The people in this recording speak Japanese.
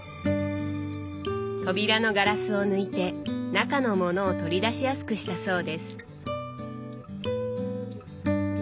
扉のガラスを抜いて中の物を取り出しやすくしたそうです。